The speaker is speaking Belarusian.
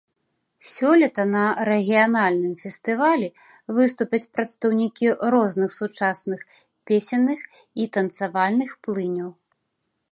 Сёлета на рэгіянальным фестывалі выступяць прадстаўнікі розных сучасных песенных і танцавальных плыняў.